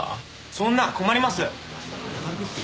そんな困ります！